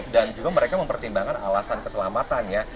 dan juga mereka mempertimbangkan alasan keselamatan ya